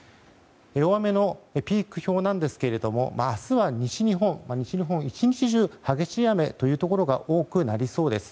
大雨のピーク表なんですが明日、西日本は１日中激しい雨というところが多くなりそうです。